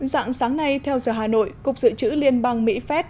dạng sáng nay theo giờ hà nội cục dự trữ liên bang mỹ phép